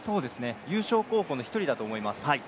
優勝候補の一人だと思います。